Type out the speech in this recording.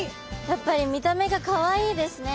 やっぱり見た目がかわいいですね。